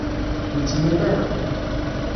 Ur ttnal ara.